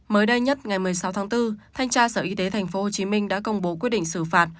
mới đây nhất ngày một mươi sáu tháng bốn thanh tra sở y tế tp hcm đã công bố quyết định xử phạt